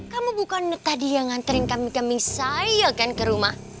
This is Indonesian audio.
kamu bukan tadi yang nganterin kami kami saya kan ke rumah